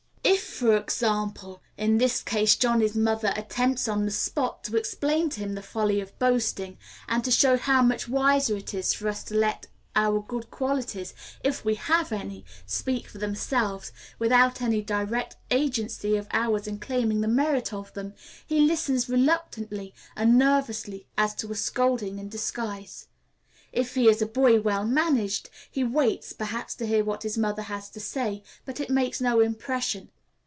If, for example, in this case Johnny's mother attempts on the spot to explain to him the folly of boasting, and to show how much wiser it is for us to let our good qualities, if we have any, speak for themselves, without any direct agency of ours in claiming the merit of them, he listens reluctantly and nervously as to a scolding in disguise. If he is a boy well managed, he waits, perhaps, to hear what his mother has to say, but it makes no impression.